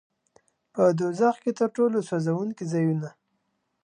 په دوزخ کې تر ټولو سوځوونکي ځایونه.